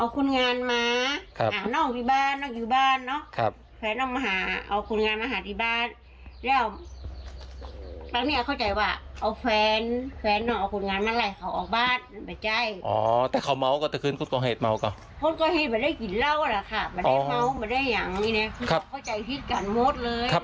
โจ๊กมาได้อย่างอีกนะครับเขาเข้าใจที่กันหมดเลยนะครับ